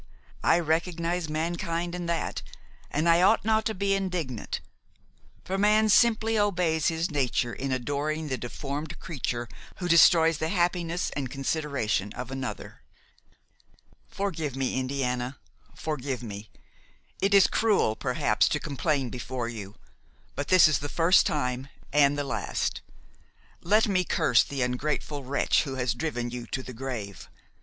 I recognize mankind in that, and I ought not to be indignant; for man simply obeys his nature in adoring the deformed creature who destroys the happiness and consideration of another. "Forgive me, Indiana, forgive me! it is cruel perhaps to complain before you, but this is the first time and the last; let me curse the ungrateful wretch who has driven you to the grave.